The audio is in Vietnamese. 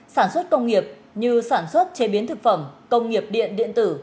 sản xuất công nghiệp như sản xuất chế biến thực phẩm công nghiệp điện điện tử